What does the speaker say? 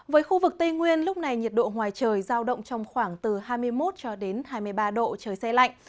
với khu vực tây nguyên lúc này nhiệt độ ngoài trời giao động trong khoảng từ hai mươi một cho đến hai mươi ba độ trời xe lạnh